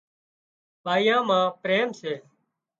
ٻائيان مان پريم سي